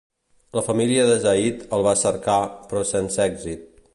La família de Zayd el va cercar, però sense èxit.